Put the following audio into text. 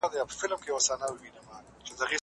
تاسو به د تنبلي پر ځای فعالیت کوئ.